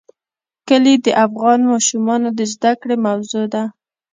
کلي د افغان ماشومانو د زده کړې موضوع ده.